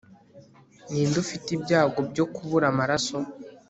ni nde ufite ibyago byo kubura amaraso